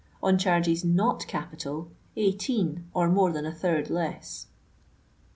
On charges not capital, eighteen, or more than a third less.